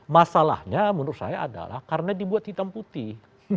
masalahnya menurut saya adalah karena dibuat hitam putih